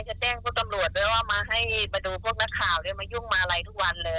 จะแจ้งพวกตำรวจด้วยว่ามาให้มาดูพวกนักข่าวมายุ่งมาอะไรทุกวันเลย